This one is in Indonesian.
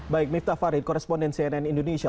baik miftah farid koresponden cnn indonesia